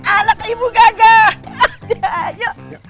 anak ibu gagah